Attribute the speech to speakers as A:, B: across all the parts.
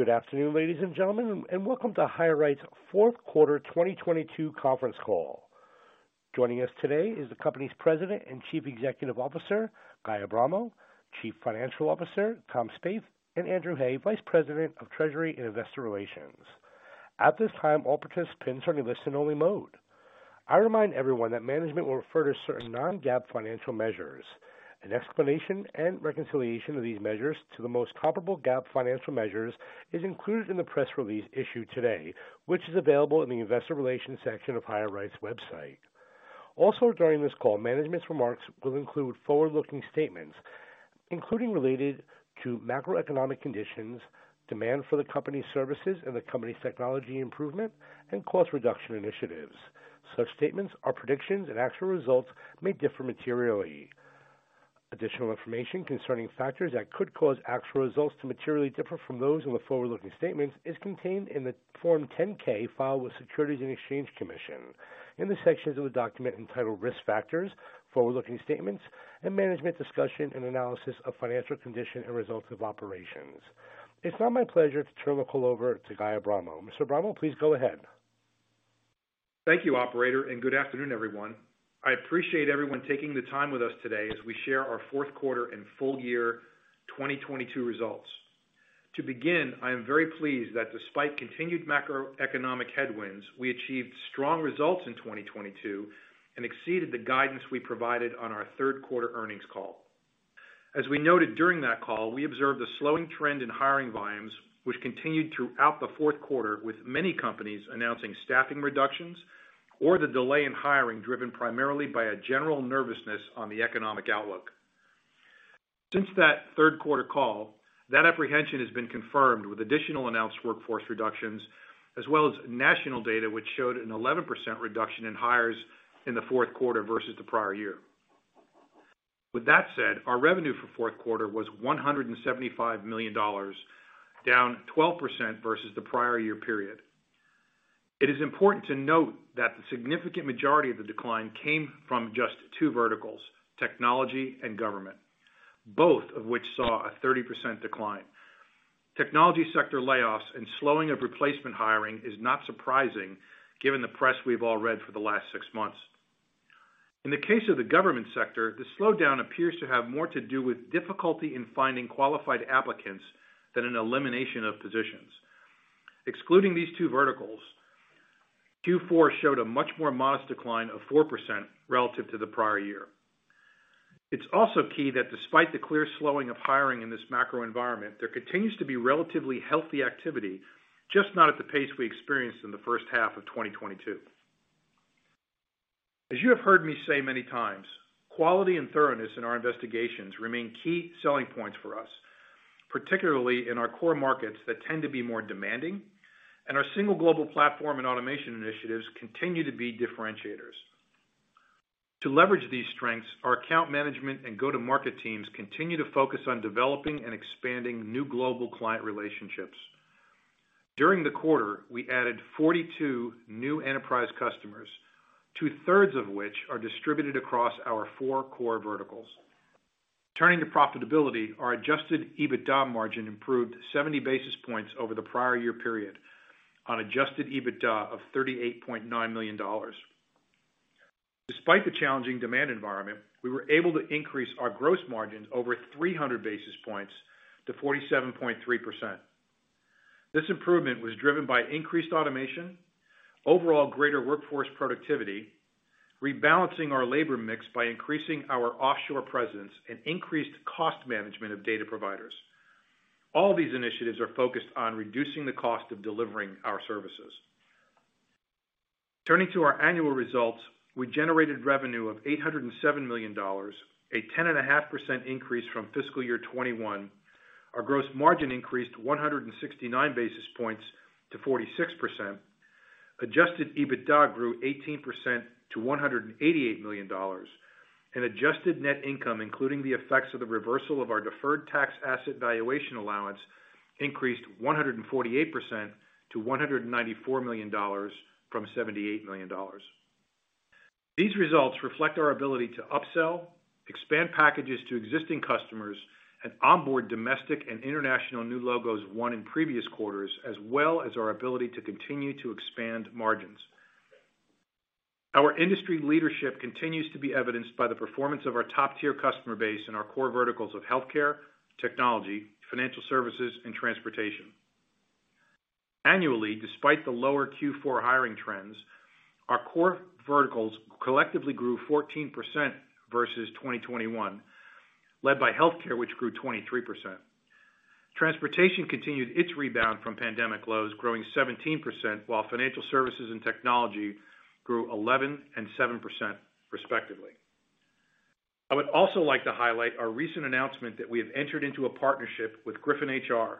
A: Good afternoon, ladies and gentlemen, and welcome to HireRight's fourth quarter 2022 conference call. Joining us today is the company's President and Chief Executive Officer, Guy Abramo, Chief Financial Officer, Tom Spaeth, and Andrew Hay, Vice President of Treasury and Investor Relations. At this time, all participants are in listen only mode. I remind everyone that management will refer to certain non-GAAP financial measures. An explanation and reconciliation of these measures to the most comparable GAAP financial measures is included in the press release issued today, which is available in the investor relations section of HireRight's website. During this call, management's remarks will include forward-looking statements, including related to macroeconomic conditions, demand for the company's services and the company's technology improvement and cost reduction initiatives. Such statements are predictions, and actual results may differ materially. Additional information concerning factors that could cause actual results to materially differ from those in the forward-looking statements is contained in the Form 10-K filed with Securities and Exchange Commission in the sections of the document entitled Risk Factors, Forward-Looking Statements and Management Discussion and Analysis of Financial Condition and Results of Operations. It's now my pleasure to turn the call over to Guy Abramo. Mr. Abramo, please go ahead.
B: Thank you, operator. Good afternoon, everyone. I appreciate everyone taking the time with us today as we share our fourth quarter and full year 2022 results. To begin, I am very pleased that despite continued macroeconomic headwinds, we achieved strong results in 2022 and exceeded the guidance we provided on our third quarter earnings call. As we noted during that call, we observed a slowing trend in hiring volumes, which continued throughout the fourth quarter, with many companies announcing staffing reductions or the delay in hiring, driven primarily by a general nervousness on the economic outlook. Since that third quarter call, that apprehension has been confirmed with additional announced workforce reductions as well as national data which showed an 11% reduction in hires in the fourth quarter versus the prior year. With that said, our revenue for fourth quarter was $175 million, down 12% versus the prior year period. It is important to note that the significant majority of the decline came from just two verticals, technology and government, both of which saw a 30% decline. Technology sector layoffs and slowing of replacement hiring is not surprising given the press we've all read for the last 6 months. In the case of the government sector, the slowdown appears to have more to do with difficulty in finding qualified applicants than an elimination of positions. Excluding these two verticals, Q4 showed a much more modest decline of 4% relative to the prior year. It's also key that despite the clear slowing of hiring in this macro environment, there continues to be relatively healthy activity, just not at the pace we experienced in the first half of 2022. As you have heard me say many times, quality and thoroughness in our investigations remain key selling points for us, particularly in our core markets that tend to be more demanding. Our single global platform and automation initiatives continue to be differentiators. To leverage these strengths, our account management and go-to-market teams continue to focus on developing and expanding new global client relationships. During the quarter, we added 42 new enterprise customers, two-thirds of which are distributed across our four core verticals. Turning to profitability, our Adjusted EBITDA margin improved 70 basis points over the prior year period on Adjusted EBITDA of $38.9 million. Despite the challenging demand environment, we were able to increase our gross margins over 300 basis points to 47.3%. This improvement was driven by increased automation, overall greater workforce productivity, rebalancing our labor mix by increasing our offshore presence, and increased cost management of data providers. All these initiatives are focused on reducing the cost of delivering our services. Turning to our annual results, we generated revenue of $807 million, a 10.5% increase from fiscal year 2021. Our gross margin increased 169 basis points to 46%. Adjusted EBITDA grew 18% to $188 million. Adjusted Net Income, including the effects of the reversal of our deferred tax asset valuation allowance, increased 148% to $194 million from $78 million. These results reflect our ability to upsell, expand packages to existing customers, and onboard domestic and international new logos won in previous quarters, as well as our ability to continue to expand margins. Our industry leadership continues to be evidenced by the performance of our top-tier customer base in our core verticals of healthcare, technology, financial services, and transportation. Annually, despite the lower Q4 hiring trends, our core verticals collectively grew 14% versus 2021, led by healthcare, which grew 23%. Transportation continued its rebound from pandemic lows, growing 17%, while financial services and technology grew 11% and 7% respectively. I would also like to highlight our recent announcement that we have entered into a partnership with GryphonHR,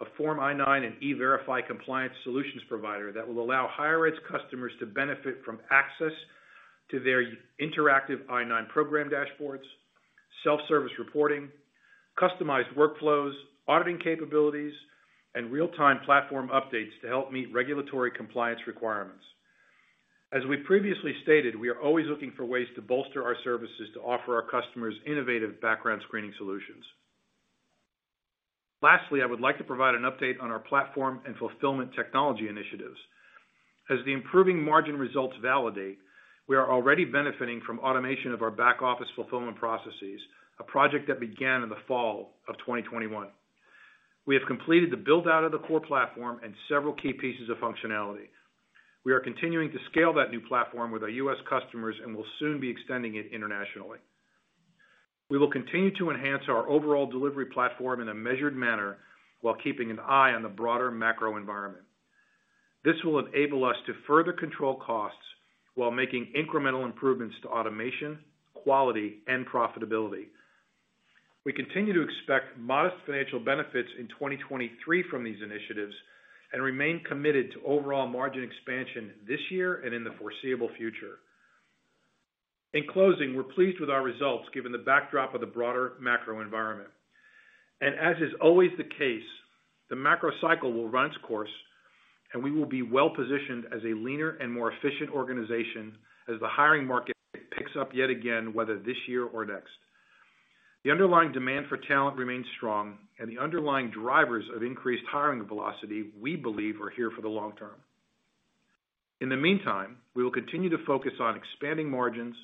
B: a Form I-9 and E-Verify compliance solutions provider that will allow HireRight's customers to benefit from access to their interactive I-9 program dashboards, self-service reporting, customized workflows, auditing capabilities, and real-time platform updates to help meet regulatory compliance requirements. As we previously stated, we are always looking for ways to bolster our services to offer our customers innovative background screening solutions. Lastly, I would like to provide an update on our platform and fulfillment technology initiatives. As the improving margin results validate, we are already benefiting from automation of our back-office fulfillment processes, a project that began in the fall of 2021. We have completed the build-out of the core platform and several key pieces of functionality. We are continuing to scale that new platform with our U.S. customers and will soon be extending it internationally. We will continue to enhance our overall delivery platform in a measured manner while keeping an eye on the broader macro environment. This will enable us to further control costs while making incremental improvements to automation, quality, and profitability. We continue to expect modest financial benefits in 2023 from these initiatives, and remain committed to overall margin expansion this year and in the foreseeable future. In closing, we're pleased with our results given the backdrop of the broader macro environment. As is always the case, the macro cycle will run its course, and we will be well-positioned as a leaner and more efficient organization as the hiring market picks up yet again, whether this year or next. The underlying demand for talent remains strong. The underlying drivers of increased hiring velocity, we believe, are here for the long term. In the meantime, we will continue to focus on expanding margins,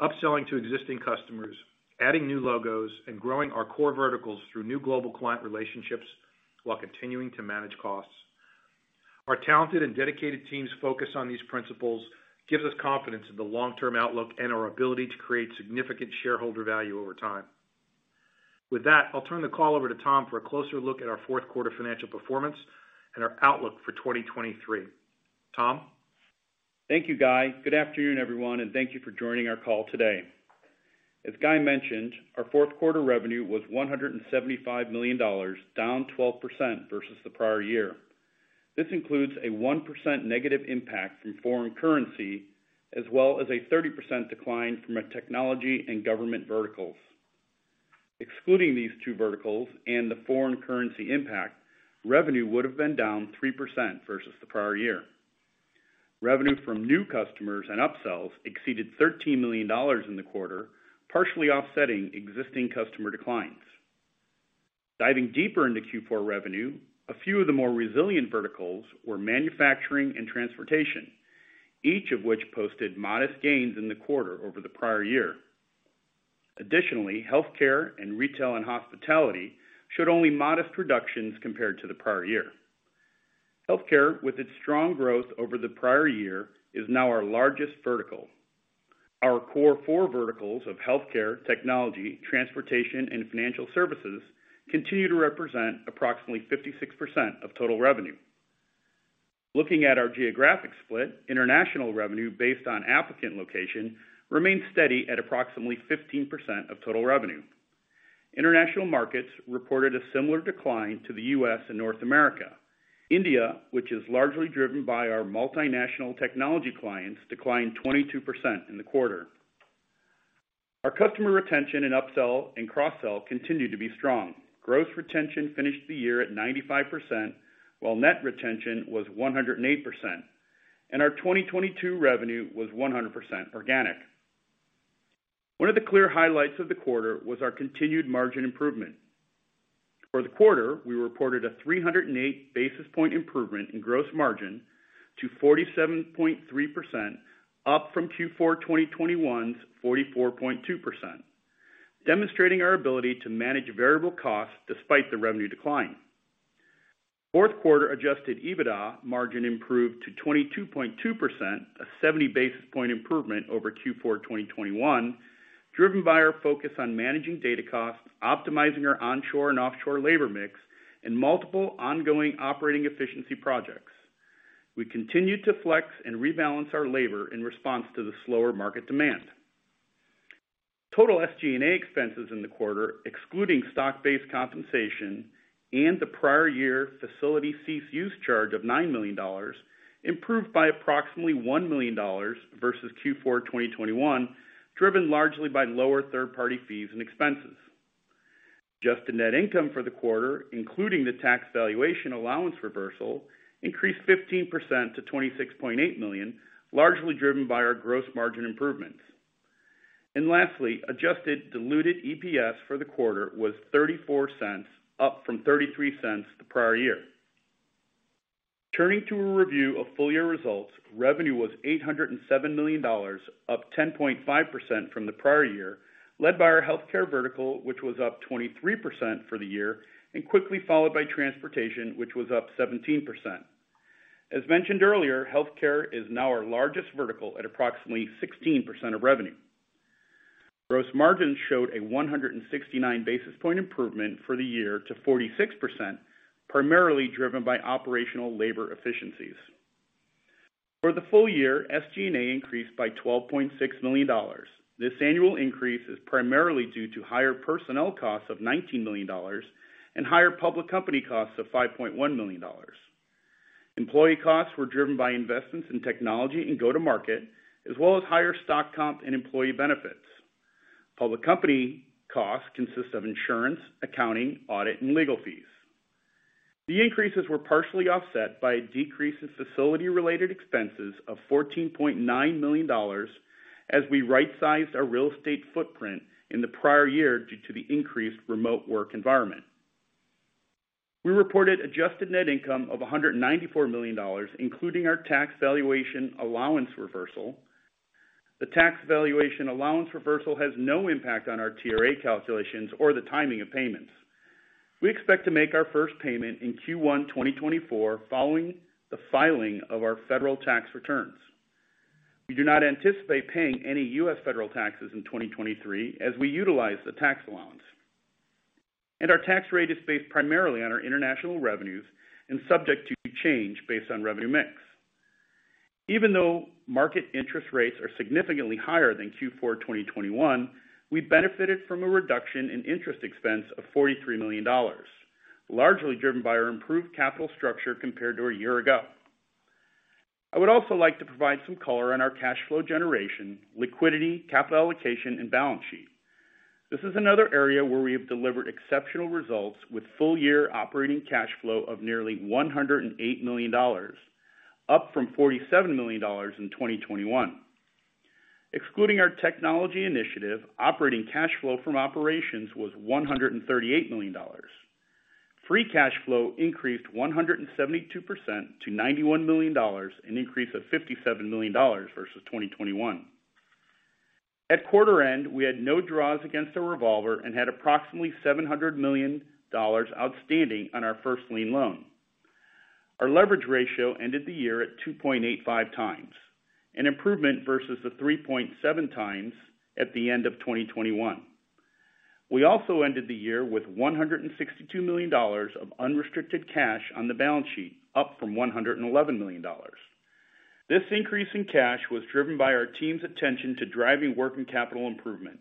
B: upselling to existing customers, adding new logos, and growing our core verticals through new global client relationships while continuing to manage costs. Our talented and dedicated teams' focus on these principles gives us confidence in the long-term outlook and our ability to create significant shareholder value over time. With that, I'll turn the call over to Tom for a closer look at our fourth quarter financial performance and our outlook for 2023. Tom?
C: Thank you, Guy. Good afternoon, everyone, thank you for joining our call today. As Guy mentioned, our fourth quarter revenue was $175 million, down 12% versus the prior year. This includes a 1% negative impact from foreign currency, as well as a 30% decline from our technology and government verticals. Excluding these two verticals and the foreign currency impact, revenue would've been down 3% versus the prior year. Revenue from new customers and upsells exceeded $13 million in the quarter, partially offsetting existing customer declines. Diving deeper into Q4 revenue, a few of the more resilient verticals were manufacturing and transportation, each of which posted modest gains in the quarter over the prior year. Healthcare and retail and hospitality showed only modest reductions compared to the prior year. Healthcare, with its strong growth over the prior year, is now our largest vertical. Our core four verticals of healthcare, technology, transportation, and financial services continue to represent approximately 56% of total revenue. Looking at our geographic split, international revenue based on applicant location remains steady at approximately 15% of total revenue. International markets reported a similar decline to the U.S. and North America. India, which is largely driven by our multinational technology clients, declined 22% in the quarter. Our customer retention and upsell and cross-sell continued to be strong. Gross retention finished the year at 95%, while net retention was 108%. Our 2022 revenue was 100% organic. One of the clear highlights of the quarter was our continued margin improvement. For the quarter, we reported a 308 basis point improvement in gross margin to 47.3%, up from Q4 2021's 44.2%, demonstrating our ability to manage variable costs despite the revenue decline. Fourth quarter Adjusted EBITDA margin improved to 22.2%, a 70 basis point improvement over Q4 2021, driven by our focus on managing data costs, optimizing our onshore and offshore labor mix, and multiple ongoing operating efficiency projects. We continued to flex and rebalance our labor in response to the slower market demand. Total SG&A expenses in the quarter, excluding stock-based compensation and the prior year facility cease use charge of $9 million, improved by approximately $1 million versus Q4 2021, driven largely by lower third-party fees and expenses. Adjusted Net Income for the quarter, including the tax valuation allowance reversal, increased 15% to $26.8 million, largely driven by our gross margin improvements. Lastly, Adjusted Diluted EPS for the quarter was $0.34, up from $0.33 the prior year. Turning to a review of full-year results, revenue was $807 million, up 10.5% from the prior year, led by our healthcare vertical, which was up 23% for the year, and quickly followed by transportation, which was up 17%. As mentioned earlier, healthcare is now our largest vertical at approximately 16% of revenue. Gross margin showed a 169 basis point improvement for the year to 46%, primarily driven by operational labor efficiencies. For the full year, SG&A increased by $12.6 million. This annual increase is primarily due to higher personnel costs of $19 million and higher public company costs of $5.1 million. Employee costs were driven by investments in technology and go-to-market, as well as higher stock comp and employee benefits. Public company costs consist of insurance, accounting, audit, and legal fees. The increases were partially offset by a decrease in facility-related expenses of $14.9 million as we right-sized our real estate footprint in the prior year due to the increased remote work environment. We reported Adjusted Net Income of $194 million, including our tax valuation allowance reversal. The tax valuation allowance reversal has no impact on our TRA calculations or the timing of payments. We expect to make our first payment in Q1 2024 following the filing of our federal tax returns. We do not anticipate paying any U.S. federal taxes in 2023 as we utilize the tax allowance, and our tax rate is based primarily on our international revenues and subject to change based on revenue mix. Even though market interest rates are significantly higher than Q4 2021, we benefited from a reduction in interest expense of $43 million, largely driven by our improved capital structure compared to a year ago. I would also like to provide some color on our cash flow generation, liquidity, capital allocation, and balance sheet. This is another area where we have delivered exceptional results with full-year operating cash flow of nearly $108 million, up from $47 million in 2021. Excluding our technology initiative, operating cash flow from operations was $138 million. Free cash flow increased 172% to $91 million, an increase of $57 million versus 2021. At quarter end, we had no draws against the revolver and had approximately $700 million outstanding on our first lien loan. Our leverage ratio ended the year at 2.85 times, an improvement versus the 3.7 times at the end of 2021. We also ended the year with $162 million of unrestricted cash on the balance sheet, up from $111 million. This increase in cash was driven by our team's attention to driving working capital improvement.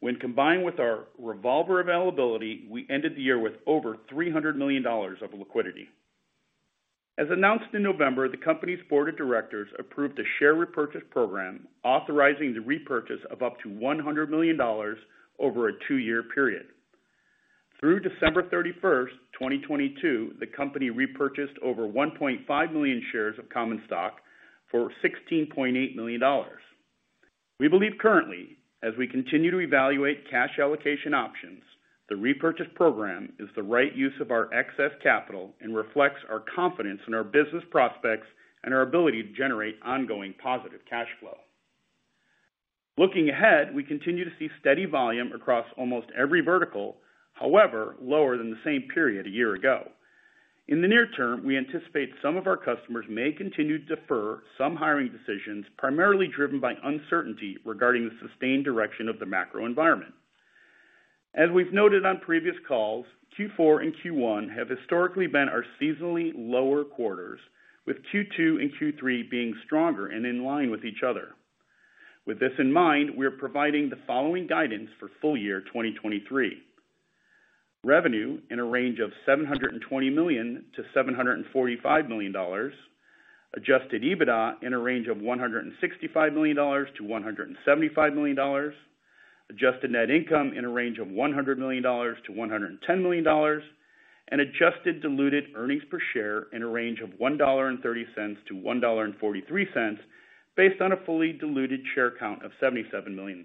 C: When combined with our revolver availability, we ended the year with over $300 million of liquidity. As announced in November, the company's board of directors approved a share repurchase program authorizing the repurchase of up to $100 million over a 2-year period. Through December 31st, 2022, the company repurchased over 1.5 million shares of common stock for $16.8 million. We believe currently, as we continue to evaluate cash allocation options, the repurchase program is the right use of our excess capital and reflects our confidence in our business prospects and our ability to generate ongoing positive cash flow. Looking ahead, we continue to see steady volume across almost every vertical, however, lower than the same period a year ago. In the near term, we anticipate some of our customers may continue to defer some hiring decisions, primarily driven by uncertainty regarding the sustained direction of the macro environment. As we've noted on previous calls, Q4 and Q1 have historically been our seasonally lower quarters, with Q2 and Q3 being stronger and in line with each other. With this in mind, we are providing the following guidance for full year 2023. Revenue in a range of $720 million-$745 million, Adjusted EBITDA in a range of $165 million-$175 million, Adjusted Net Income in a range of $100 million-$110 million, and Adjusted Diluted Earnings Per Share in a range of $1.30-$1.43, based on a fully diluted share count of 77 million.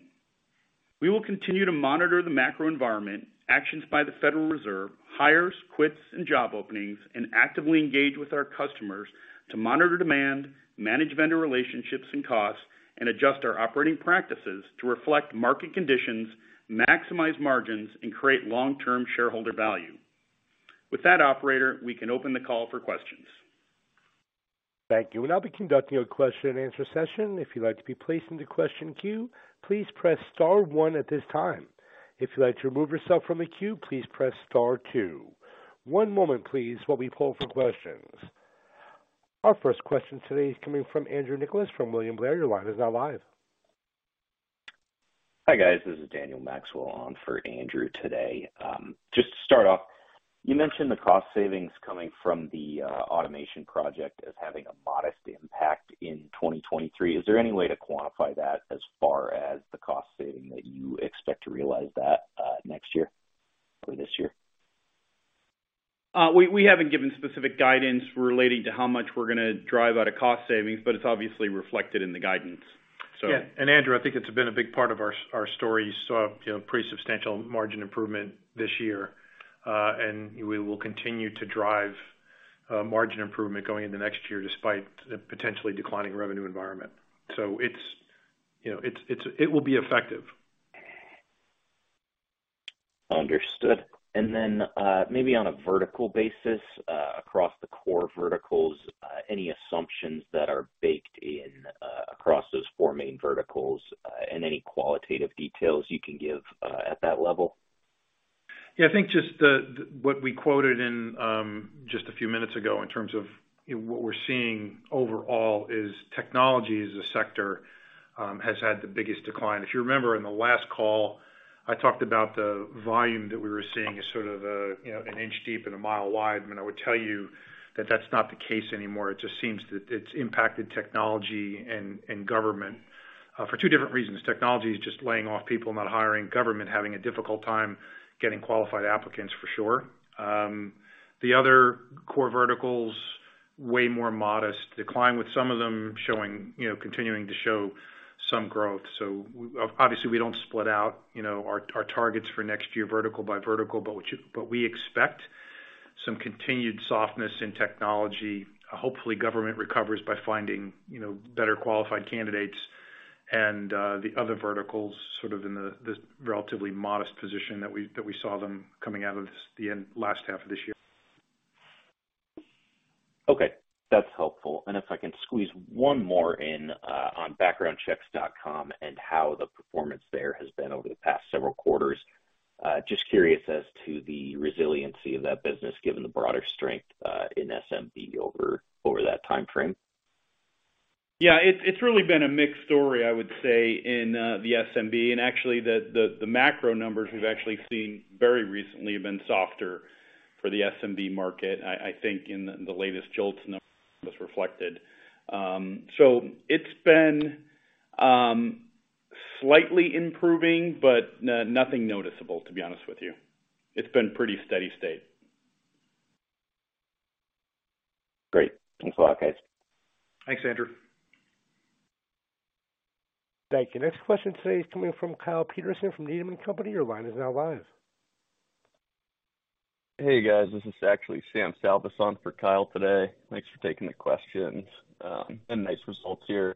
C: We will continue to monitor the macro environment, actions by the Federal Reserve, hires, quits, and job openings, and actively engage with our customers to monitor demand, manage vendor relationships and costs, and adjust our operating practices to reflect market conditions, maximize margins, and create long-term shareholder value. With that, operator, we can open the call for questions.
A: Thank you. We'll now be conducting a question-and-answer session. If you'd like to be placed into question queue, please press star one at this time. If you'd like to remove yourself from the queue, please press star two. One moment, please, while we pull for questions. Our first question today is coming from Andrew Nicholas from William Blair. Your line is now live.
D: Hi, guys. This is Daniel Maxwell on for Andrew today. Just to start off, you mentioned the cost savings coming from the automation project as having a modest impact in 2023. Is there any way to quantify that as far as the cost saving that you expect to realize that next year or this year?
C: We haven't given specific guidance relating to how much we're gonna drive out of cost savings, but it's obviously reflected in the guidance.
B: Yeah, Andrew, I think it's been a big part of our story. You saw, you know, pretty substantial margin improvement this year, we will continue to drive margin improvement going into next year despite the potentially declining revenue environment. It's, you know, it will be effective.
D: Understood. Then, maybe on a vertical basis, across the core verticals, any assumptions that are baked in, across those four main verticals, and any qualitative details you can give, at that level?
B: I think just what we quoted in just a few minutes ago in terms of what we're seeing overall is technology as a sector has had the biggest decline. If you remember, in the last call, I talked about the volume that we were seeing as sort of a, you know, an inch deep and a mile wide, and I would tell you that that's not the case anymore. It just seems that it's impacted technology and government for two different reasons. Technology is just laying off people, not hiring. Government having a difficult time getting qualified applicants, for sure. The other core verticals Way more modest decline, with some of them showing, you know, continuing to show some growth. Obviously, we don't split out, you know, our targets for next year vertical by vertical, but we expect some continued softness in technology. Hopefully, government recovers by finding, you know, better qualified candidates and the other verticals sort of in the relatively modest position that we saw them coming out of this last half of this year.
D: Okay. That's helpful. If I can squeeze one more in, on backgroundchecks.com and how the performance there has been over the past several quarters. Just curious as to the resiliency of that business, given the broader strength, in SMB over that timeframe.
C: Yeah, it's really been a mixed story, I would say, in the SMB. Actually, the macro numbers we've actually seen very recently have been softer for the SMB market. I think in the latest JOLTS number, that's reflected. It's been slightly improving, but nothing noticeable, to be honest with you. It's been pretty steady state.
D: Great. Thanks a lot, guys.
C: Thanks, Andrew.
A: Thank you. Next question today is coming from Kyle Peterson from Needham & Company. Your line is now live.
E: Hey, guys. This is actually Sam Salvas for Kyle today. Thanks for taking the questions, and nice results here.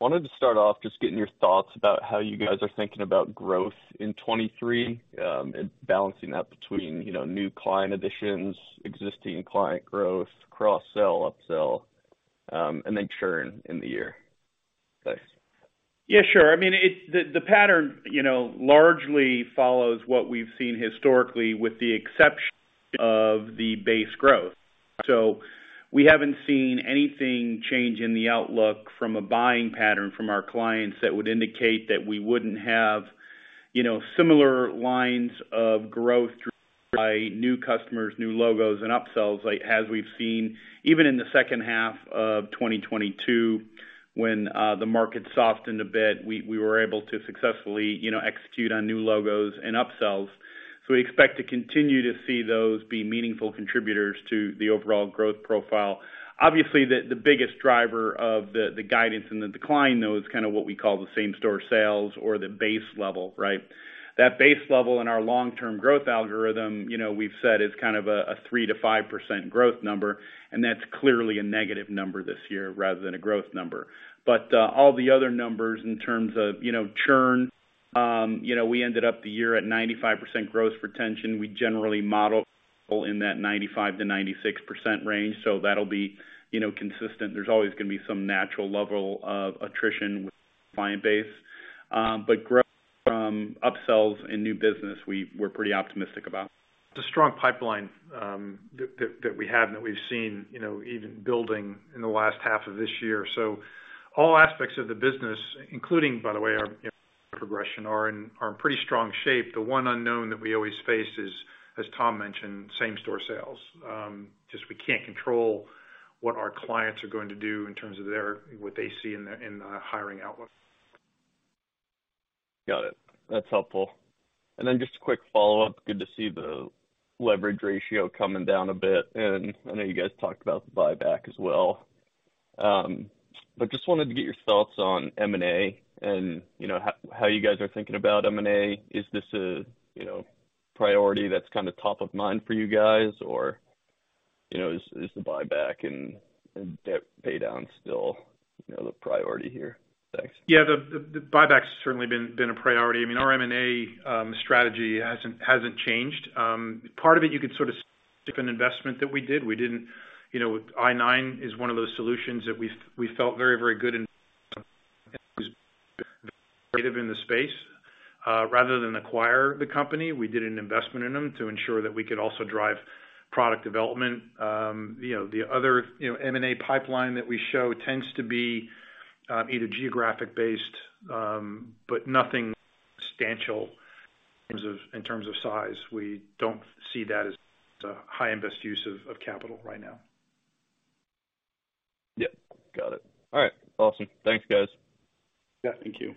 E: Wanted to start off just getting your thoughts about how you guys are thinking about growth in 23, and balancing that between, you know, new client additions, existing client growth, cross-sell, upsell, and then churn in the year. Thanks.
C: Yeah, sure. I mean, the pattern, you know, largely follows what we've seen historically with the exception of the base growth. We haven't seen anything change in the outlook from a buying pattern from our clients that would indicate that we wouldn't have, you know, similar lines of growth by new customers, new logos, and upsells as we've seen even in the second half of 2022 when the market softened a bit. We were able to successfully, you know, execute on new logos and upsells. We expect to continue to see those be meaningful contributors to the overall growth profile. Obviously, the biggest driver of the guidance and the decline, though, is kind of what we call the same-store sales or the base level, right? That base level in our long-term growth algorithm, you know, we've said is kind of a 3%-5% growth number, and that's clearly a negative number this year rather than a growth number. All the other numbers in terms of, you know, churn, you know, we ended up the year at 95% gross retention. We generally model in that 95%-96% range. That'll be, you know, consistent. There's always gonna be some natural level of attrition with client base. Growth from upsells and new business, we're pretty optimistic about.
B: The strong pipeline, that we have and that we've seen, you know, even building in the last half of this year. All aspects of the business, including, by the way, our progression, are in pretty strong shape. The one unknown that we always face is, as Tom mentioned, same-store sales. Just we can't control what our clients are going to do in terms of what they see in the, in the hiring outlook.
E: Got it. That's helpful. Just a quick follow-up. Good to see the leverage ratio coming down a bit, and I know you guys talked about the buyback as well. Just wanted to get your thoughts on M&A and, you know, how you guys are thinking about M&A. Is this a, you know, priority that's kinda top of mind for you guys? Or, you know, is the buyback and debt paydown still, you know, the priority here? Thanks.
B: The buyback's certainly been a priority. I mean, our M&A strategy hasn't changed. Part of it, you could sort of see if an investment that we did. We didn't. You know, I-9 is one of those solutions that we felt very, very good in creative in the space. Rather than acquire the company, we did an investment in them to ensure that we could also drive product development. You know, the other, you know, M&A pipeline that we show tends to be either geographic-based, but nothing substantial in terms of size. We don't see that as a high and best use of capital right now.
E: Yep. Got it. All right. Awesome. Thanks, guys.
B: Yeah, thank you.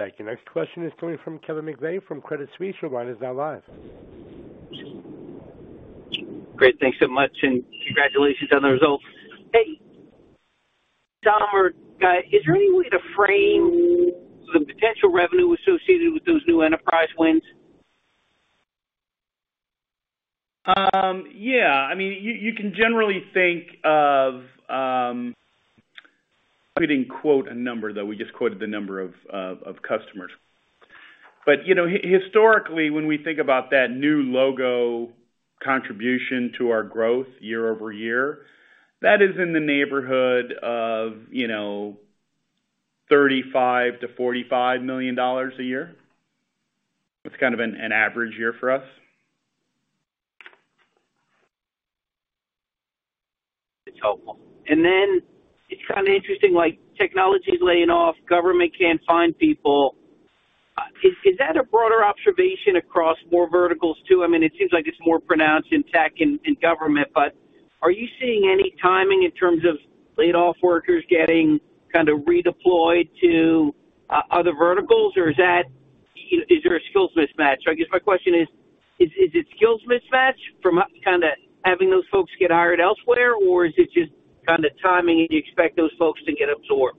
A: Thank you. Next question is coming from Kevin McVeigh from Credit Suisse. Your line is now live.
F: Great. Thanks so much, and congratulations on the results. Hey, Tom or Guy, is there any way to frame the potential revenue associated with those new enterprise wins?
B: Yeah. We didn't quote a number, though. We just quoted the number of customers. You know, historically, when we think about that new logo contribution to our growth year-over-year, that is in the neighborhood of, you know, $35 million-$45 million a year. It's kind of an average year for us.
F: It's helpful. Then it's kind of interesting, like, technology is laying off, government can't find people. Is that a broader observation across more verticals too? I mean, it seems like it's more pronounced in tech and in government, but are you seeing any timing in terms of laid off workers getting kind of redeployed to other verticals, or is that? Is there a skills mismatch? I guess my question is it skills mismatch from kinda having those folks get hired elsewhere, or is it just kinda timing and you expect those folks to get absorbed?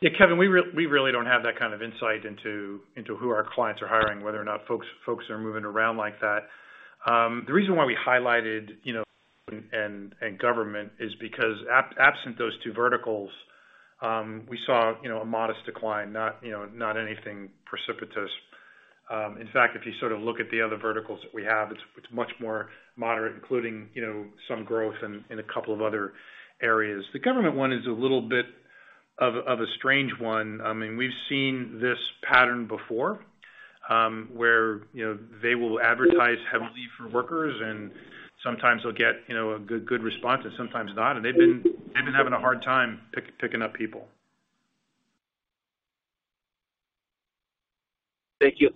B: Yeah, Kevin, we really don't have that kind of insight into who our clients are hiring, whether or not folks are moving around like that. The reason why we highlighted, you know, and government is because absent those two verticals, we saw, you know, a modest decline, not, you know, not anything precipitous. In fact, if you sort of look at the other verticals that we have, it's much more moderate, including, you know, some growth in a couple of other areas. The government one is a little bit of a strange one. I mean, we've seen this pattern before, where, you know, they will advertise heavily for workers and sometimes they'll get, you know, a good response and sometimes not. They've been having a hard time picking up people.
F: Thank you.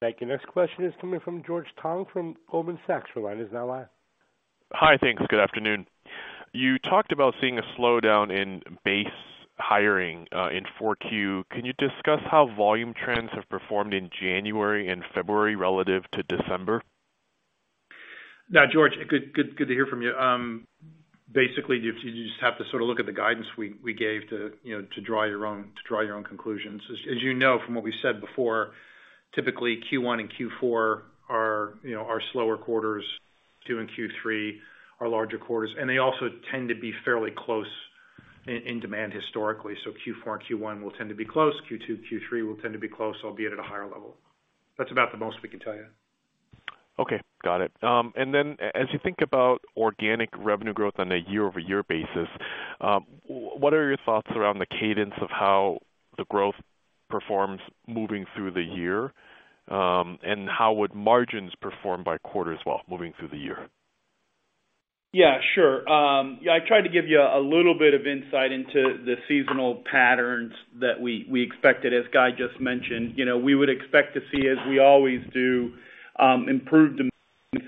A: Thank you. Next question is coming from George Tong from Goldman Sachs. Your line is now live.
G: Hi. Thanks. Good afternoon. You talked about seeing a slowdown in base hiring in 4Q. Can you discuss how volume trends have performed in January and February relative to December?
B: George, good to hear from you. Basically, you just have to sort of look at the guidance we gave to, you know, to draw your own conclusions. As you know, from what we've said before, typically Q1 and Q4 are, you know, slower quarters. 2 and Q3 are larger quarters, and they also tend to be fairly close in demand historically. Q4 and Q1 will tend to be close. Q2, Q3 will tend to be close, albeit at a higher level. That's about the most we can tell you.
G: Okay, got it. As you think about organic revenue growth on a year-over-year basis, what are your thoughts around the cadence of how the growth performs moving through the year? How would margins perform by quarter as well moving through the year?
C: Sure. Yeah, I tried to give you a little bit of insight into the seasonal patterns that we expected. As Guy just mentioned, you know, we would expect to see, as we always do, improved demand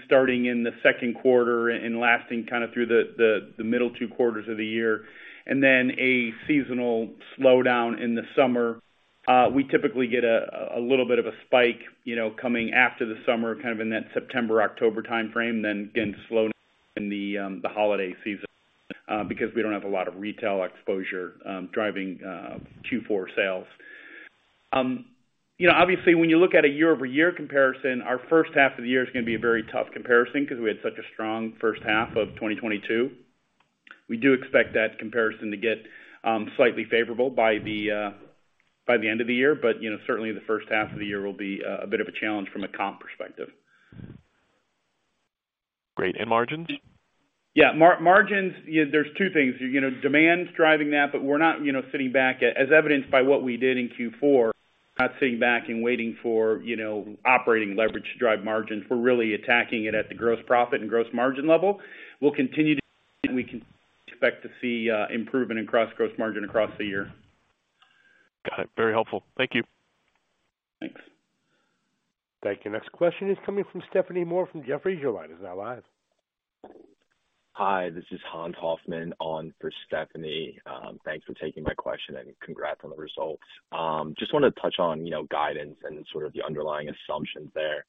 C: starting in the second quarter and lasting kinda through the middle two quarters of the year, and then a seasonal slowdown in the summer. We typically get a little bit of a spike, you know, coming after the summer, kind of in that September-October timeframe. Again, slowdown in the holiday season, because we don't have a lot of retail exposure, driving Q4 sales. You know, obviously, when you look at a year-over-year comparison, our first half of the year is gonna be a very tough comparison 'cause we had such a strong first half of 2022. We do expect that comparison to get slightly favorable by the end of the year. You know, certainly the first half of the year will be a bit of a challenge from a comp perspective.
G: Great. Margins?
B: Yeah. Margins, yeah, there's two things. You know, demand's driving that, but we're not, you know, sitting back. As evidenced by what we did in Q4, not sitting back and waiting for, you know, operating leverage to drive margins. We're really attacking it at the gross profit and gross margin level. We'll continue to, we can expect to see improvement in gross margin across the year.
G: Got it. Very helpful. Thank you.
B: Thanks.
A: Thank you. Next question is coming from Stephanie Moore from Jefferies. Your line is now live.
H: Hi, this is Hans Hoffmann on for Stephanie. Thanks for taking my question and congrats on the results. Just wanted to touch on, you know, guidance and sort of the underlying assumptions there.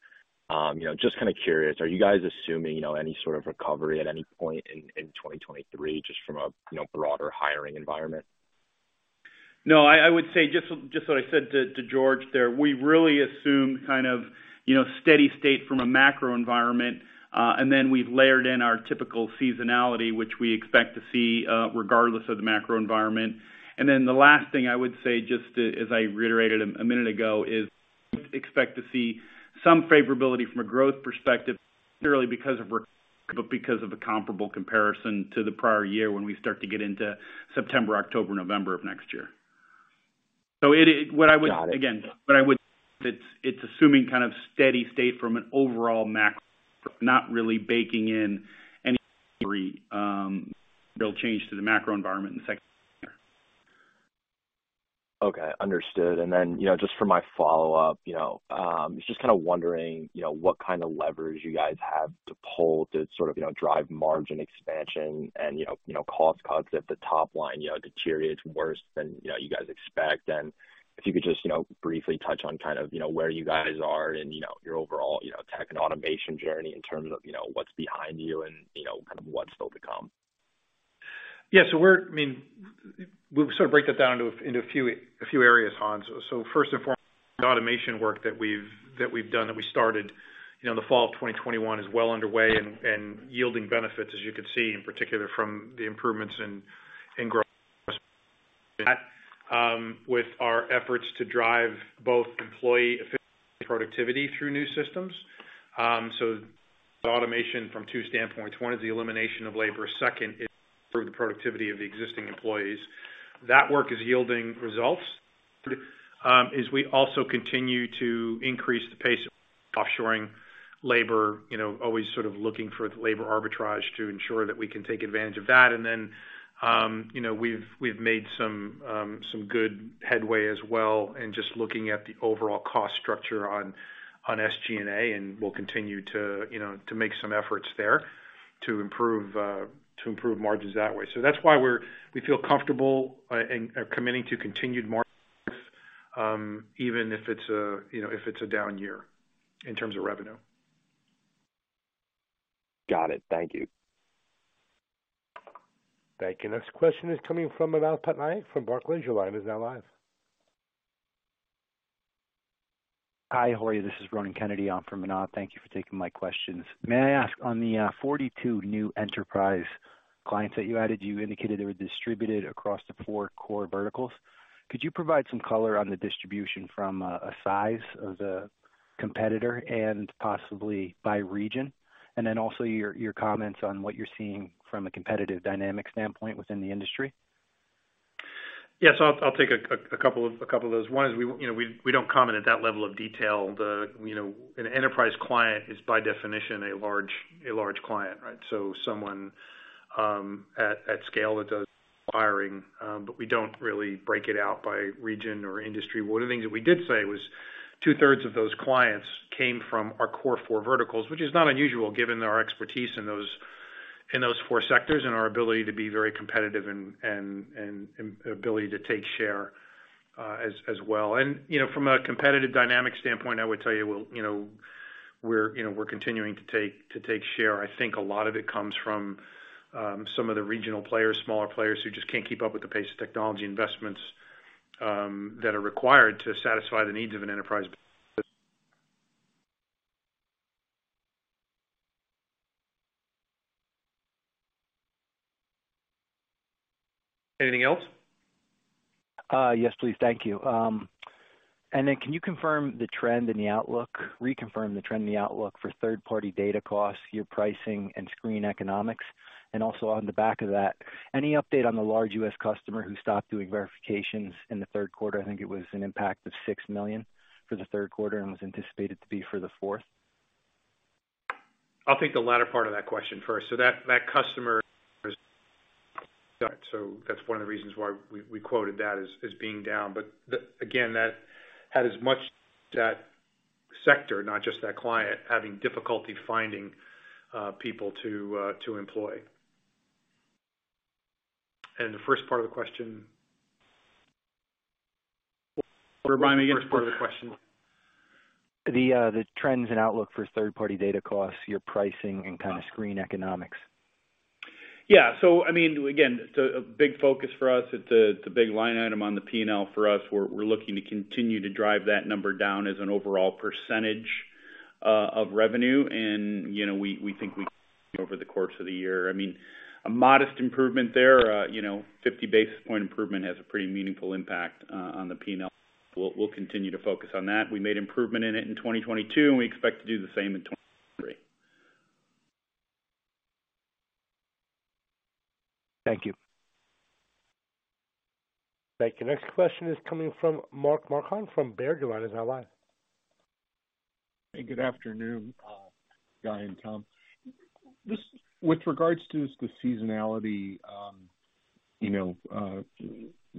H: You know, just kinda curious, are you guys assuming, you know, any sort of recovery at any point in 2023 just from a, you know, broader hiring environment?
B: No, I would say just what I said to George there. We really assume kind of, you know, steady state from a macro environment, then we've layered in our typical seasonality, which we expect to see, regardless of the macro environment. Then the last thing I would say, just as I reiterated a minute ago, is expect to see some favorability from a growth perspective, not necessarily because of recovery but because of the comparable comparison to the prior year when we start to get into September, October, November of next year. It, what I would-
H: Got it.
B: It's assuming kind of steady state from an overall macro, not really baking in any real change to the macro environment in the second quarter.
H: Okay, understood. Then, you know, just for my follow-up, you know, just kind of wondering, you know, what kind of leverage you guys have to pull to sort of, you know, drive margin expansion and, you know, cost cuts if the top line, you know, deteriorates worse than, you know, you guys expect? If you could just, you know, briefly touch on kind of, you know, where you guys are and, you know, your overall, you know, tech and automation journey in terms of, you know, what's behind you and you know, kind of what's still to come?
B: Yeah. I mean, we'll sort of break that down into a few areas, Hans. First and foremost, the automation work that we've done, that we started, you know, in the fall of 2021 is well underway and yielding benefits, as you can see, in particular from the improvements in gross. With our efforts to drive both employee efficiency and productivity through new systems, automation from two standpoints. One is the elimination of labor, second is improve the productivity of the existing employees. That work is yielding results. As we also continue to increase the pace of offshoring labor, you know, always sort of looking for labor arbitrage to ensure that we can take advantage of that. You know, we've made some good headway as well in just looking at the overall cost structure on SG&A, and we'll continue to, you know, to make some efforts there. To improve margins that way. That's why we feel comfortable, in, committing to continued margins, even if it's, you know, if it's a down year in terms of revenue.
H: Got it. Thank you.
A: Thank you. Next question is coming from Manav Patnaik from Barclays. Your line is now live.
I: Hi, how are you? This is Ronan Kennedy on for Manav. Thank you for taking my questions. May I ask, on the 42 new enterprise clients that you added, you indicated they were distributed across the four core verticals. Could you provide some color on the distribution from a size of the competitor and possibly by region? Then also your comments on what you're seeing from a competitive dynamic standpoint within the industry.
B: Yes, I'll take a couple of those. One is we, you know, we don't comment at that level of detail. You know, an enterprise client is by definition a large client, right? Someone at scale that does hiring, we don't really break it out by region or industry. One of the things that we did say was 2/3 of those clients came from our core four verticals, which is not unusual given our expertise in those four sectors and our ability to be very competitive and ability to take share as well. You know, from a competitive dynamic standpoint, I would tell you, well, you know, we're continuing to take share. I think a lot of it comes from some of the regional players, smaller players who just can't keep up with the pace of technology investments that are required to satisfy the needs of an enterprise. Anything else?
I: Yes, please. Thank you. can you reconfirm the trend in the outlook for third-party data costs, your pricing and screen economics? Also on the back of that, any update on the large U.S. customer who stopped doing verifications in the third quarter? I think it was an impact of $6 million for the third quarter and was anticipated to be for the fourth.
B: I'll take the latter part of that question first. That customer is done. That's one of the reasons why we quoted that as being down. Again, that had as much that sector, not just that client, having difficulty finding people to employ. The first part of the question? Remind me again of the first part of the question?
I: The trends and outlook for third-party data costs, your pricing and kind of screen economics.
B: I mean, again, it's a big focus for us. It's a big line item on the P&L for us. We're looking to continue to drive that number down as an overall percentage of revenue. You know, we think we... over the course of the year. I mean, a modest improvement there, you know, 50 basis point improvement has a pretty meaningful impact on the P&L. We'll continue to focus on that. We made improvement in it in 2022, and we expect to do the same in 2023.
I: Thank you.
A: Thank you. Next question is coming from Mark Marcon from Baird. Your line is now live.
J: Hey, good afternoon, Guy and Tom. Just with regards to the seasonality, you know,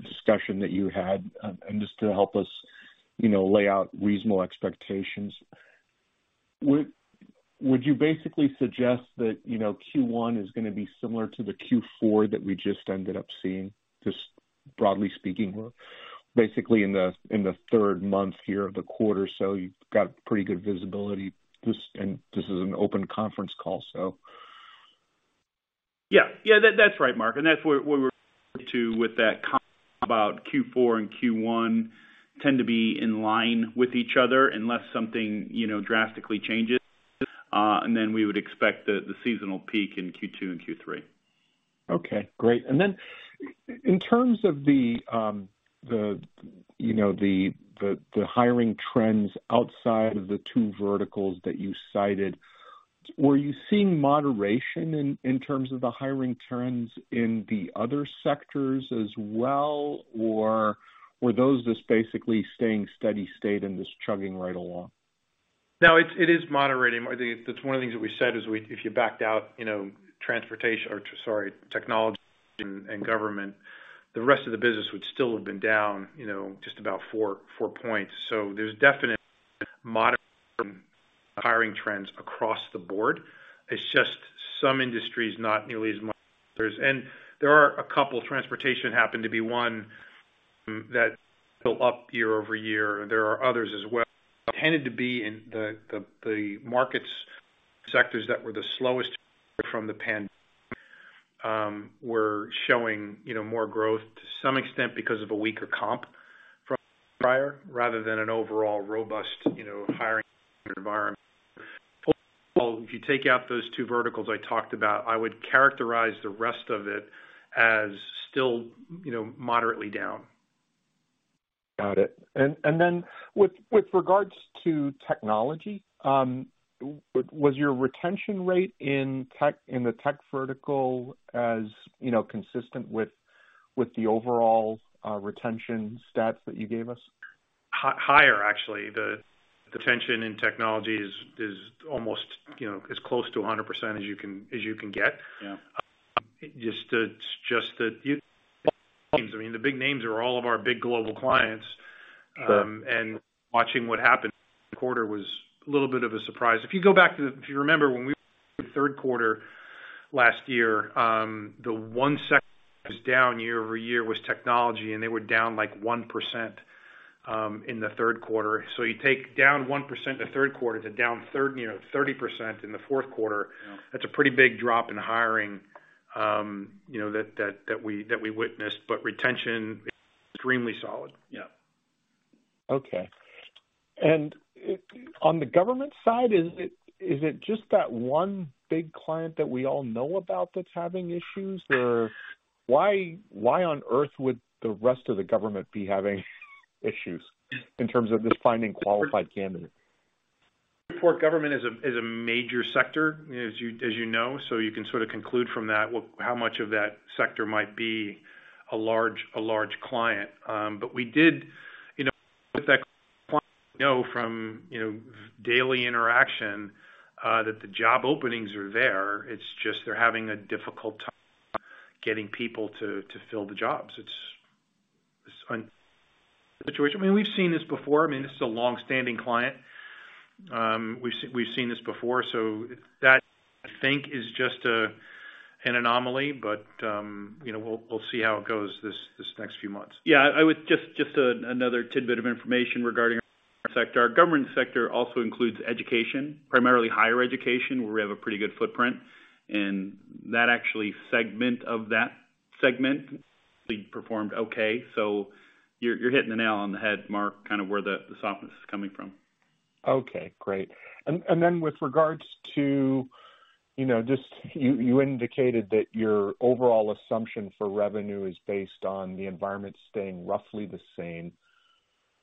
J: discussion that you had, and just to help us, you know, lay out reasonable expectations. Would you basically suggest that, you know, Q1 is gonna be similar to the Q4 that we just ended up seeing? Just broadly speaking. We're basically in the third month here of the quarter, so you've got pretty good visibility. This is an open conference call, so.
C: Yeah. Yeah, that's right, Mark. That's what we're referring to with that comment about Q4 and Q1 tend to be in line with each other unless something, you know, drastically changes. Then we would expect the seasonal peak in Q2 and Q3.
J: Okay, great. And then in terms of the, you know, the hiring trends outside of the two verticals that you cited, were you seeing moderation in terms of the hiring trends in the other sectors as well? Or were those just basically staying steady state and just chugging right along?
C: No, it is moderating. I think that's one of the things that we said is if you backed out, you know, or sorry, technology and government, the rest of the business would still have been down, you know, just about 4 points. There's definite moderate hiring trends across the board. It's just some industries, not nearly as much as others. There are a couple, transportation happened to be one that built up year-over-year. There are others as well. Tended to be in the markets sectors that were the slowest from the pandemic, were showing, you know, more growth to some extent because of a weaker comp from prior rather than an overall robust, you know, hiring environment.
B: If you take out those 2 verticals I talked about, I would characterize the rest of it as still, you know, moderately down.
J: Got it. Then with regards to technology, was your retention rate in the tech vertical, as, you know, consistent with the overall retention stats that you gave us?
B: Higher, actually. The retention in technology is almost, you know, as close to 100% as you can get.
J: Yeah.
B: I mean, the big names are all of our big global clients. Watching what happened quarter was a little bit of a surprise. If you remember when we, the third quarter last year, the one second was down year-over-year was technology, and they were down, like, 1%, in the third quarter. You take down 1% the third quarter to down third, you know, 30% in the fourth quarter.
J: Yeah.
B: That's a pretty big drop in hiring, you know, that we witnessed, but retention extremely solid. Yeah.
J: Okay. On the government side, is it just that one big client that we all know about that's having issues? Why on earth would the rest of the government be having issues in terms of just finding qualified candidates?
B: For government is a major sector as you know, so you can sort of conclude from that how much of that sector might be a large client. We did, you know, with that client know from, you know, daily interaction, that the job openings are there. It's just they're having a difficult time getting people to fill the jobs. It's situation. I mean, we've seen this before. I mean, this is a long-standing client. We've seen this before. That I think is just an anomaly. You know, we'll see how it goes this next few months. Yeah. I would... Just another tidbit of information regarding our sector. Our government sector also includes education, primarily higher education, where we have a pretty good footprint. That actually that segment performed okay. You're hitting the nail on the head, Mark, kind of where the softness is coming from.
J: Okay. Great. Then with regards to, you know, just you indicated that your overall assumption for revenue is based on the environment staying roughly the same.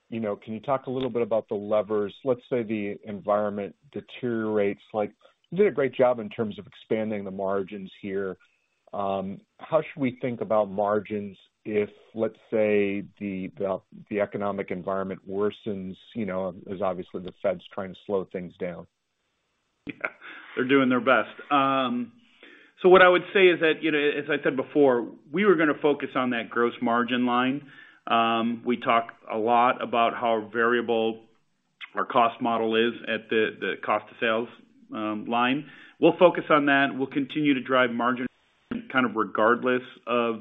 J: You know, can you talk a little bit about the levers? Let's say the environment deteriorates. Like, you did a great job in terms of expanding the margins here. How should we think about margins if, let's say, the economic environment worsens, you know, as obviously the Fed's trying to slow things down?
B: Yeah. They're doing their best. What I would say is that, you know, as I said before, we were gonna focus on that gross margin line. We talk a lot about how variable our cost model is at the cost to sales line. We'll focus on that. We'll continue to drive margin kind of regardless of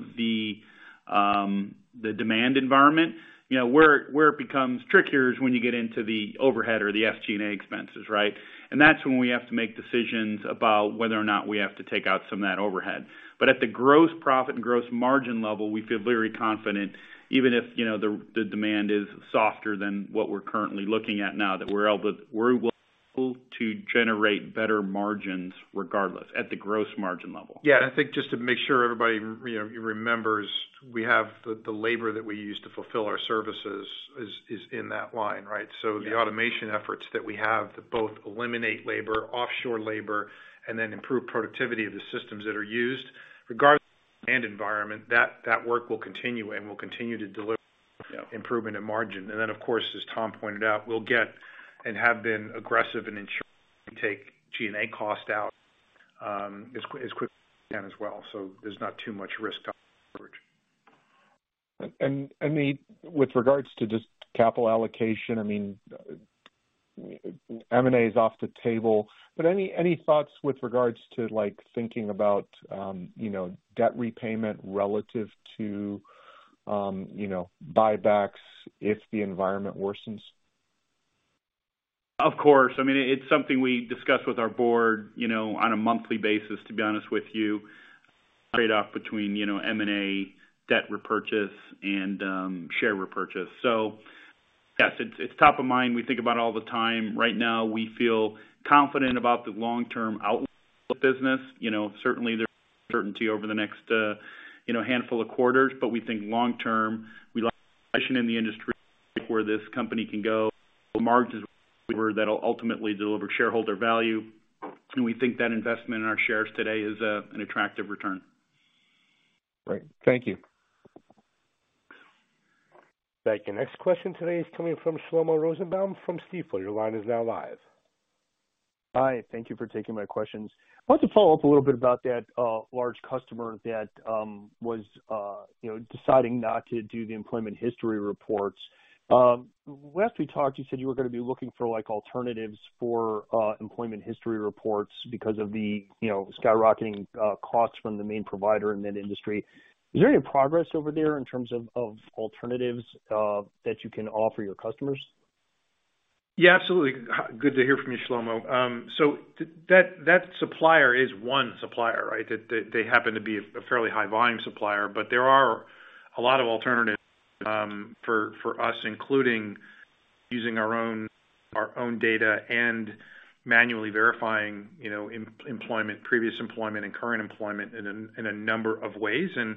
B: the demand environment. You know, where it becomes trickier is when you get into the overhead or the SG&A expenses, right? That's when we have to make decisions about whether or not we have to take out some of that overhead. At the gross profit and gross margin level, we feel very confident, even if, you know, the demand is softer than what we're currently looking at now, that we're able to generate better margins regardless at the gross margin level. Yeah. I think just to make sure everybody, you know, remembers, we have the labor that we use to fulfill our services is in that line, right?
J: Yeah.
B: The automation efforts that we have to both eliminate labor, offshore labor, and then improve productivity of the systems that are used, regardless and environment, that work will continue and will continue to deliver improvement in margin. Of course, as Tom pointed out, we'll get and have been aggressive in ensuring we take G&A cost out as quickly as we can as well. There's not too much risk coverage.
J: I mean, with regards to just capital allocation, I mean, M&A is off the table, but any thoughts with regards to, like, thinking about, you know, debt repayment relative to, you know, buybacks if the environment worsens?
B: Of course. I mean, it's something we discuss with our board, you know, on a monthly basis, to be honest with you. Trade-off between, you know, M&A, debt repurchase, and share repurchase. Yes, it's top of mind. We think about all the time. Right now, we feel confident about the long-term outlook of business. You know, certainly there's certainty over the next, you know, handful of quarters, but we think long term, we like the position in the industry where this company can go. Margins that'll ultimately deliver shareholder value, and we think that investment in our shares today is an attractive return.
J: Great. Thank you.
A: Thank you. Next question today is coming from Shlomo Rosenbaum from Stifel. Your line is now live.
K: Hi, thank you for taking my questions. I want to follow up a little bit about that large customer that was, you know, deciding not to do the employment history reports. Last we talked, you said you were gonna be looking for like alternatives for employment history reports because of the, you know, skyrocketing costs from the main provider in that industry. Is there any progress over there in terms of alternatives that you can offer your customers?
B: Yeah, absolutely. Good to hear from you, Shlomo. So that supplier is one supplier, right? They happen to be a fairly high volume supplier, but there are a lot of alternatives, for us, including using our own data and manually verifying, you know, employment, previous employment and current employment in a number of ways and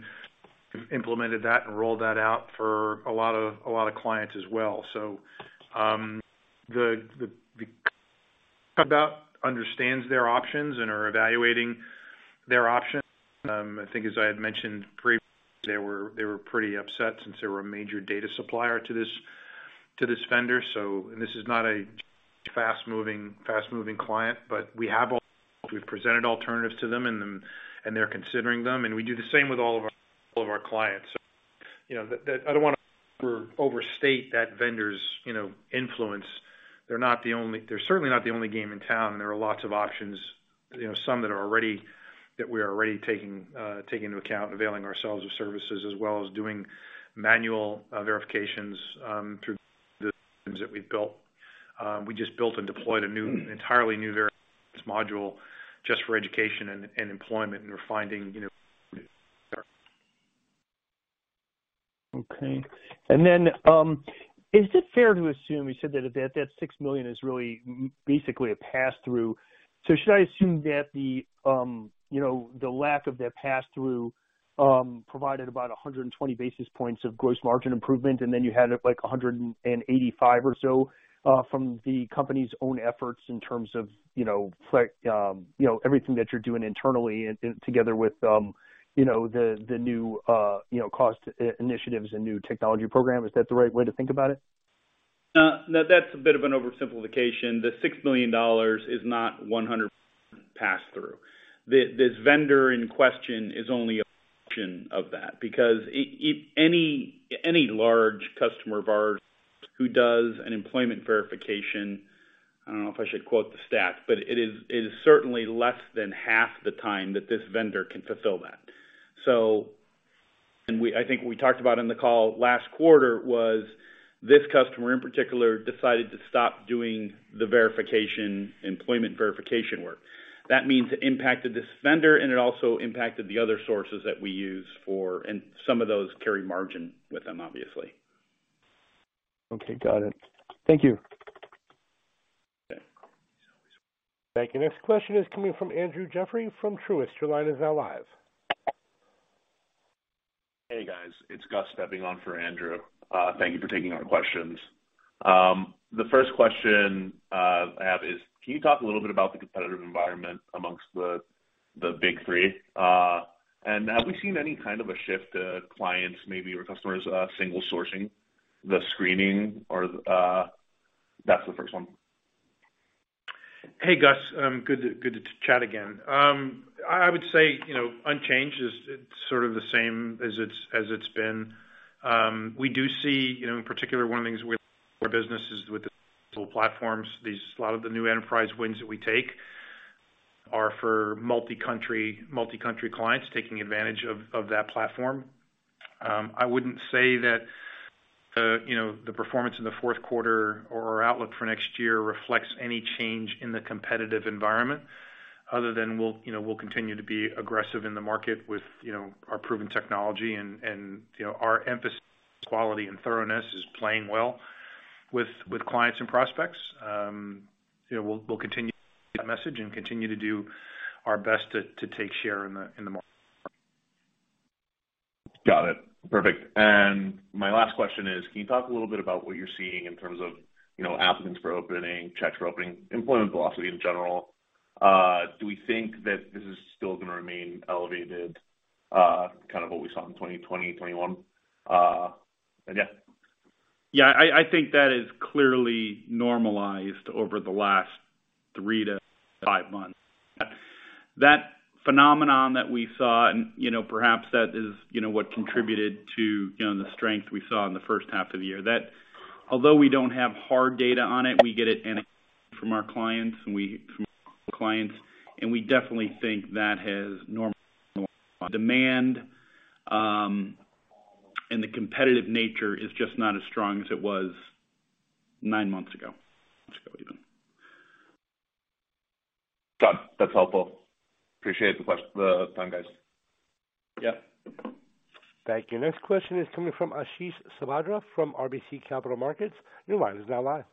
B: implemented that and rolled that out for a lot of clients as well. About understands their options and are evaluating their options. I think as I had mentioned previously, they were pretty upset since they were a major data supplier to this To this vendor. This is not a fast moving client, but we've presented alternatives to them and they're considering them, and we do the same with all of our clients. You know, I don't wanna overstate that vendor's, you know, influence. They're certainly not the only game in town. There are lots of options, you know, that we are already taking into account, availing ourselves of services, as well as doing manual verifications through the systems that we've built. We just built and deployed an entirely new verification module just for education and employment, and we're finding, you know.
K: Then, is it fair to assume you said that $6 million is really basically a passthrough. Should I assume that the lack of that passthrough provided about 120 basis points of gross margin improvement, and then you had it like 185 or so from the company's own efforts in terms of everything that you're doing internally and together with the new cost initiatives and new technology program? Is that the right way to think about it?
C: No, that's a bit of an oversimplification. The $6 million is not 100% passthrough. This vendor in question is only a portion of that because any large customer of ours who does an employment verification, I don't know if I should quote the stat, but it is certainly less than half the time that this vendor can fulfill that. I think we talked about in the call last quarter was this customer, in particular, decided to stop doing the employment verification work. That means it impacted this vendor, and it also impacted the other sources that we use for... Some of those carry margin with them, obviously.
K: Okay. Got it. Thank you.
B: Okay.
A: Thank you. Next question is coming from Andrew Jeffrey from Truist. Your line is now live.
L: Hey, guys. It's Gus stepping on for Andrew. Thank you for taking our questions. The first question I have is can you talk a little bit about the competitive environment amongst the big three? Have we seen any kind of a shift, clients maybe or customers, single sourcing the screening or...? That's the first one.
B: Hey, Gus. good to chat again. I would say, you know, unchanged. It's sort of the same as it's been. We do see, you know, in particular one of the things with our businesses with the digital platforms, a lot of the new enterprise wins that we take are for multi-country clients taking advantage of that platform. I wouldn't say that the, you know, the performance in the fourth quarter or our outlook for next year reflects any change in the competitive environment other than we'll, you know, we'll continue to be aggressive in the market with, you know, our proven technology and, you know, our emphasis on quality and thoroughness is playing well with clients and prospects. You know, we'll continue that message and continue to do our best to take share in the market.
L: Got it. Perfect. My last question is, can you talk a little bit about what you're seeing in terms of, you know, applicants for opening, checks for opening, employment velocity in general? Do we think that this is still gonna remain elevated, kind of what we saw in 2020, 2021? And yeah.
B: Yeah, I think that is clearly normalized over the last 3-5 months. That phenomenon that we saw and, you know, perhaps that is, you know, what contributed to, you know, the strength we saw in the first half of the year. That although we don't have hard data on it, we get it from our clients, and we definitely think that has normalized. Demand, and the competitive nature is just not as strong as it was 9 months ago, even.
L: Got it. That's helpful. Appreciate the time, guys.
B: Yeah.
A: Thank you. Next question is coming from Ashish Sabadra from RBC Capital Markets. Your line is now live.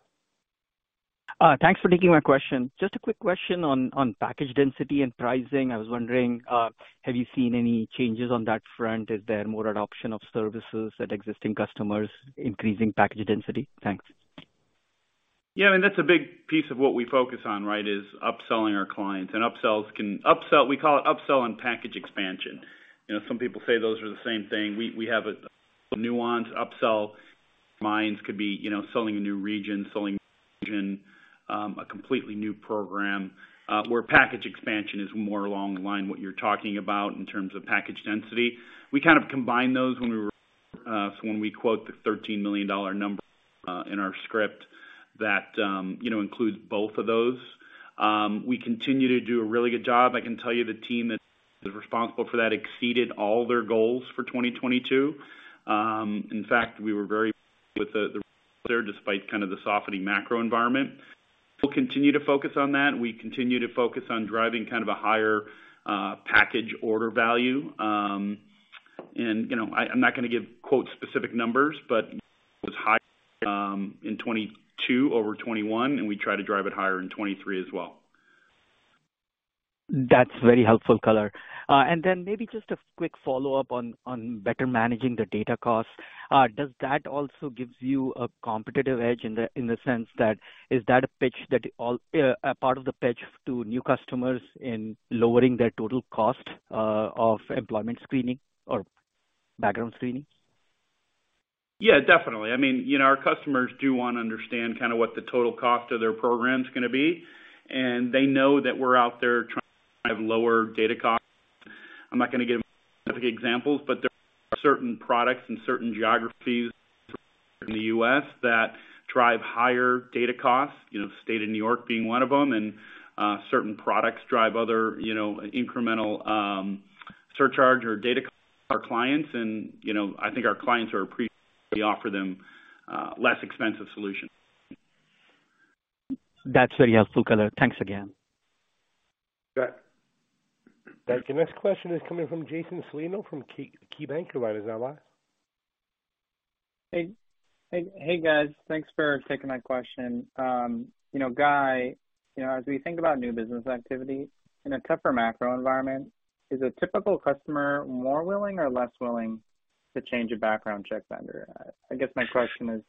M: Thanks for taking my question. Just a quick question on package density and pricing. I was wondering, have you seen any changes on that front? Is there more adoption of services that existing customers increasing package density? Thanks.
C: Yeah. I mean, that's a big piece of what we focus on, right, is upselling our clients. We call it upsell and package expansion. You know, some people say those are the same thing. We have a nuance. Upsell minds could be, you know, selling a new region, selling a completely new program, where package expansion is more along the line what you're talking about in terms of package density. We kind of combine those when we were. When we quote the $13 million number in our script that, you know, includes both of those. We continue to do a really good job. I can tell you the team that's responsible for that exceeded all their goals for 2022. In fact, we were very with the, despite kind of the softening macro environment. We'll continue to focus on that. We continue to focus on driving kind of a higher package order value. You know, I'm not gonna give quote specific numbers, but it was high in 2022 over 2021, and we try to drive it higher in 2023 as well.
M: That's very helpful color. Then maybe just a quick follow-up on better managing the data costs. Does that also gives you a competitive edge in the sense that is that a pitch that a part of the pitch to new customers in lowering their total cost of employment screening or background screening?
C: Yeah, definitely. I mean, you know, our customers do wanna understand kinda what the total cost of their program's gonna be. They know that we're out there trying to have lower data costs. I'm not gonna give specific examples, there are certain products and certain geographies in the U.S. that drive higher data costs, you know, State of New York being one of them, and certain products drive other, you know, incremental surcharge or data costs to our clients and, you know, I think our clients are appreciative we offer them less expensive solutions.
E: That's very helpful color. Thanks again.
B: You bet.
A: Thank you. Next question is coming from Jason Celino from KeyBanc. You want to say hi?
N: Hey, guys. Thanks for taking my question. you know, Guy, you know, as we think about new business activity in a tougher macro environment, is a typical customer more willing or less willing to change a background check vendor? I guess my question is,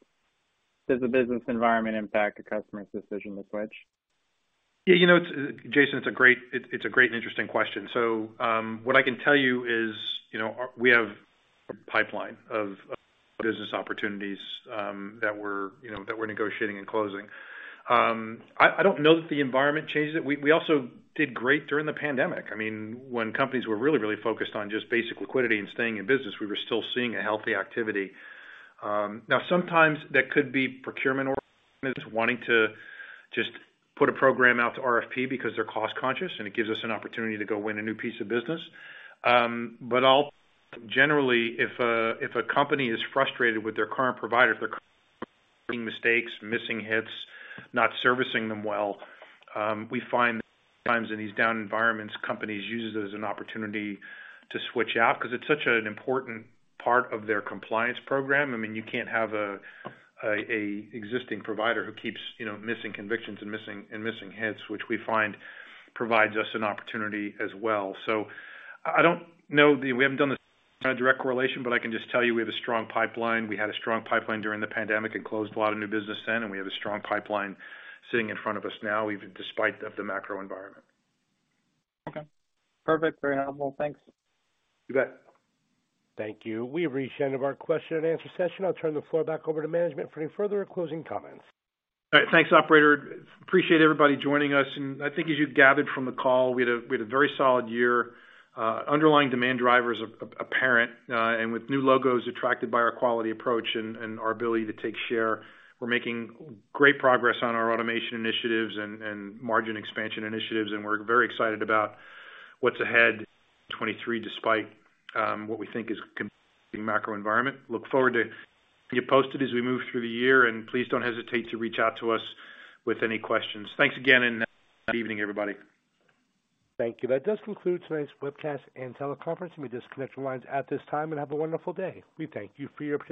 N: does the business environment impact a customer's decision to switch?
B: Yeah, you know, Jason, it's a great and interesting question. What I can tell you is, you know, we have a pipeline of business opportunities that we're, you know, that we're negotiating and closing. I don't know that the environment changes it. We also did great during the pandemic. I mean, when companies were really, really focused on just basic liquidity and staying in business, we were still seeing a healthy activity. Now sometimes that could be procurement organizations wanting to just put a program out to RFP because they're cost conscious, and it gives us an opportunity to go win a new piece of business. I'll... Generally, if a company is frustrated with their current provider for making mistakes, missing hits, not servicing them well, we find times in these down environments, companies use it as an opportunity to switch out 'cause it's such an important part of their compliance program. I mean, you can't have an existing provider who keeps, you know, missing convictions and missing hits, which we find provides us an opportunity as well. I don't know the. We haven't done the direct correlation, but I can just tell you we have a strong pipeline. We had a strong pipeline during the pandemic and closed a lot of new business then, and we have a strong pipeline sitting in front of us now, even despite of the macro environment.
N: Okay. Perfect. Very helpful. Thanks.
B: You bet.
A: Thank you. We've reached the end of our question and answer session. I'll turn the floor back over to management for any further closing comments.
B: All right. Thanks, operator. Appreciate everybody joining us. I think as you gathered from the call, we had a very solid year. Underlying demand drivers apparent, and with new logos attracted by our quality approach and our ability to take share. We're making great progress on our automation initiatives and margin expansion initiatives, and we're very excited about what's ahead 2023, despite what we think is competing macro environment. Look forward to keep you posted as we move through the year. Please don't hesitate to reach out to us with any questions. Thanks again. Have a good evening, everybody.
A: Thank you. That does conclude tonight's webcast and teleconference. You may disconnect your lines at this time and have a wonderful day. We thank you for your participation.